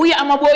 aku mau buka